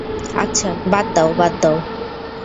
আচ্ছা, বাদ দাও, বাদ দাও।